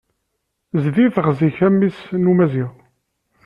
Zdi teɣzi-k a mmi-s n umaziɣ